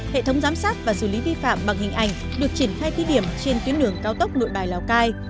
hệ thống giám sát và xử lý vi phạm bằng hình ảnh được triển khai thí điểm trên tuyến đường cao tốc nội bài lào cai